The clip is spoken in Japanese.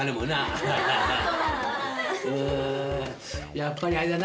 やっぱりあれだな。